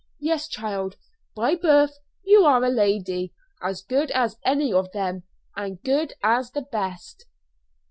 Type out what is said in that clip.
Yes, child, by birth you are a lady, as good as any of them as good as the best."